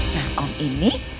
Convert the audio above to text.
nah om ini